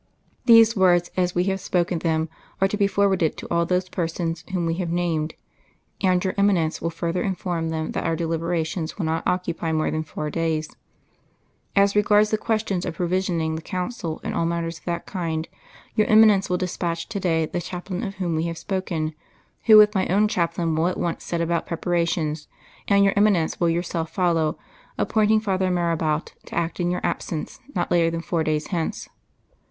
These words, as we have spoken them, are to be forwarded to all those persons whom we have named; and your Eminence will further inform them that our deliberations will not occupy more than four days. "As regards the questions of provisioning the council and all matters of that kind, your Eminence will despatch to day the chaplain of whom we have spoken, who with my own chaplain will at once set about preparations, and your Eminence will yourself follow, appointing Father Marabout to act in your absence, not later than four days hence.